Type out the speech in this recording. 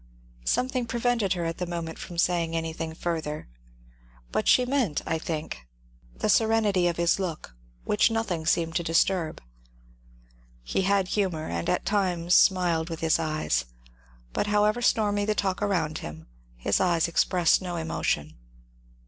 Something prevented her at the moment from saying anything further, but she meant, I think, the serenity FROUDE'S SCEPTICISM 203 of his look, which nothing seemed to disturb. He had hu mour, and at times smiled with his eyes, but, however stormy the talk around him, his eyes expressed no emotion.